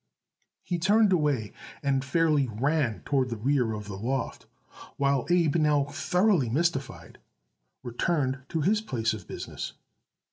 He turned away and fairly ran toward the rear of the loft, while Abe, now thoroughly mystified, returned to his place of business.